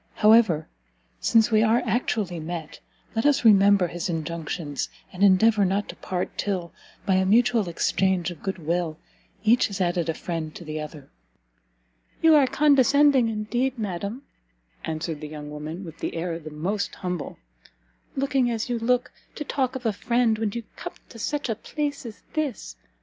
However, since we are actually met, let us remember his injunctions, and endeavour not to part till, by a mutual exchange of good will, each has added a friend to the other." "You are condescending, indeed, madam," answered the young woman, with an air the most humble, "looking as you look, to talk of a friend when you come to such a place as this!